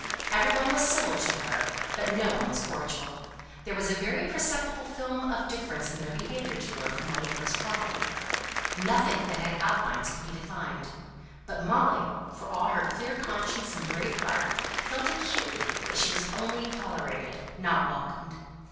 Every one was civil to her, but no one was cordial; there was a very perceptible film of difference in their behaviour to her from what it was formerly; nothing that had outlines and could be defined. But Molly, for all her clear conscience and her brave heart, felt acutely that she was only tolerated, not welcomed.